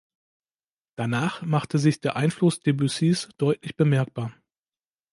Danach machte sich der Einfluss Debussys deutlich bemerkbar.